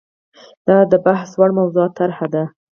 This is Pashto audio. دا د بحث وړ موضوعاتو طرحه ده.